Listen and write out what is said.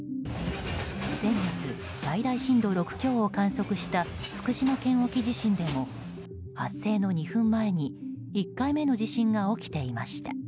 先月、最大震度６強を記録した福島県沖地震でも発生の２分前に１回目の地震が起きていました。